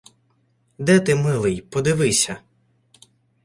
Де ти, милий? Подивися —